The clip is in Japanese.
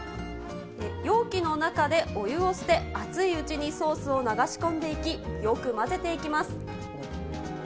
容器の中でお湯を捨て、熱いうちにソースを流し込んでいき、よく混ぜていきます。